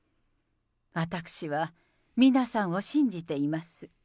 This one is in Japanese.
私は皆さんを信じています。